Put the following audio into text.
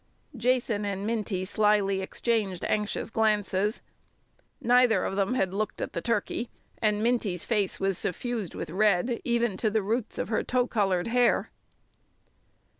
Jason and Minty slyly exchanged anxious glances. Neither of them had looked at the turkey, and Minty's face was suffused with red even to the roots of her tow coloured hair.